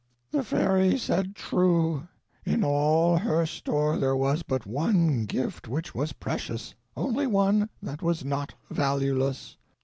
The fairy said true; in all her store there was but one gift which was precious, only one that was not valueless.